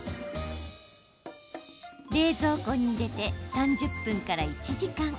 冷蔵庫に入れて３０分から１時間。